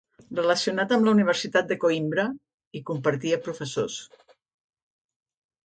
Relacionat amb la Universitat de Coïmbra, hi compartia professors.